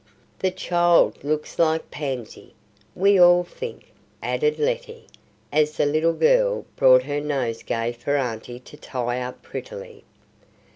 "The child looks like Pansy, we all think," added Letty, as the little girl brought her nosegay for Aunty to tie up prettily.